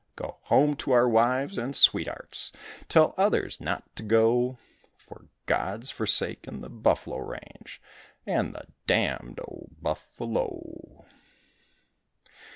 Go home to our wives and sweethearts, tell others not to go, For God's forsaken the buffalo range and the damned old buffalo.